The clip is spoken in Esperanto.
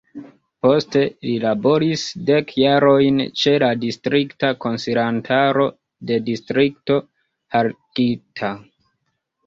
Poste li laboris dek jarojn ĉe la distrikta konsilantaro de Distrikto Harghita.